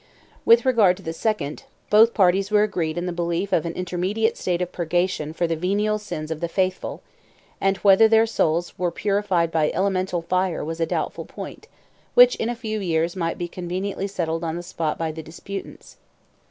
With regard to the second, both parties were agreed in the belief of an intermediate state of purgation for the venial sins of the faithful; and whether their souls were purified by elemental fire was a doubtful point, which in a few years might be conveniently settled on the spot by the disputants.